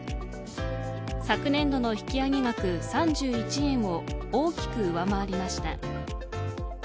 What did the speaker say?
昨年度の引き上げ額３１円を大きく上回りました。